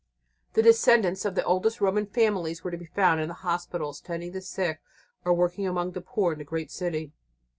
The descendants of the oldest Roman families were to be found in the hospitals tending the sick or working amongst the poor in the great city.